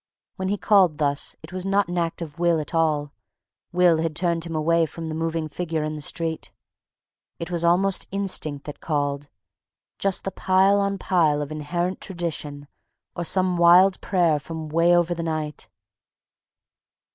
When he called thus it was not an act of will at all—will had turned him away from the moving figure in the street; it was almost instinct that called, just the pile on pile of inherent tradition or some wild prayer from way over the night.